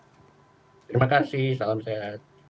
terima kasih salam sehat